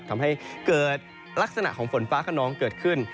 ทำให้เกิดลักษณะของฝนฟ้าขนองเกิดขึ้น